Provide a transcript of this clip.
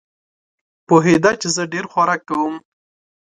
پوهېده چې زه ډېر خوراک کوم.